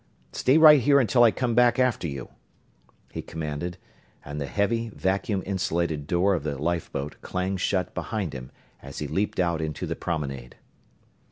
Stay right here until I come back after you," he commanded, and the heavy, vacuum insulated door of the lifeboat clanged shut behind him as he leaped out into the promenade.